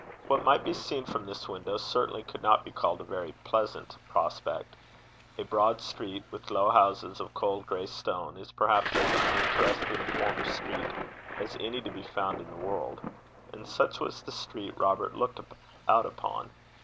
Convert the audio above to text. What might be seen from this window certainly could not be called a very pleasant prospect. A broad street with low houses of cold gray stone is perhaps as uninteresting a form of street as any to be found in the world, and such was the street Robert looked out upon.